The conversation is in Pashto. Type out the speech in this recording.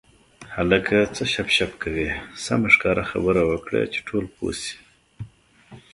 هلکه څه شپ شپ کوې سمه ښکاره خبره وکړه چې ټول پوه شي.